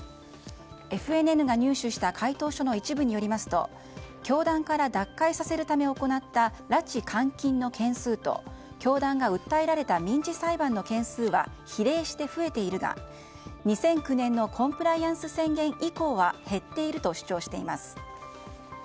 ＦＮＮが入手した回答書によりますと教団拉致回答の件数と教団が訴えられた民事裁判の件数は比例して増えているが２００９年のコンプライアンス宣言以降は減っていると主張しています。